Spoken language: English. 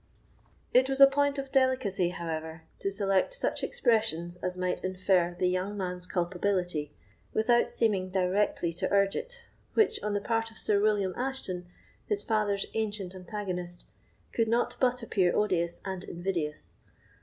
It was a point of delicacy, however, to select such expressions as might infer the young man's culpability, without seeming directly to urge it, which, on the part of Sir William Ashton, his father's ancient antagonist, could not but appear odious and invidious.